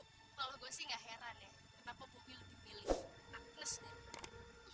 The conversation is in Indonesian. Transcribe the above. kalau gue sih gak heran ya kenapa pupi lebih pilih agnes deh